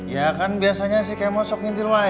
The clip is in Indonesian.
ya kan biasanya si kemot sok ngintil wae